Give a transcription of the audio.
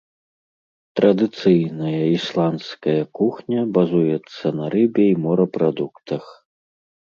Традыцыйная ісландская кухня базуецца на рыбе і морапрадуктах.